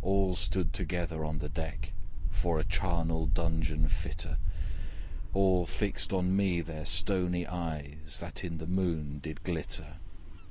All stood together on the deck, For a charnel dungeon fitter: All fixed on me their stony eyes, That in the Moon did glitter.